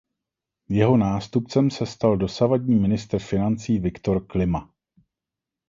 Jeho nástupcem se stal dosavadní ministr financí Viktor Klima.